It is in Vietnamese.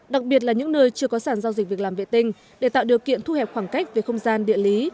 đặc biệt là những nơi chưa có sản giao dịch việc làm vệ tinh để tạo điều kiện thu hẹp khoảng cách về không gian địa lý